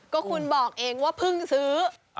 ก็คุณบอกเองว่าเพิ่งซื้อ